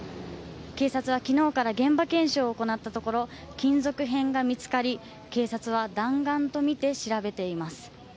警察はきのうから現場検証を行ったところ、金属片が見つかり、警察は弾丸と見て調べています。